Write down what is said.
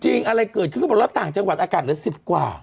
จริงอะไรเกิดคือบรรลับต่างจังหวัดอากาศเหลือ๑๐กว่า